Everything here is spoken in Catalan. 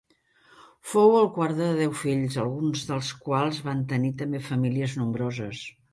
Fou el quart de deu fills, alguns dels quals van tenir també famílies nombroses.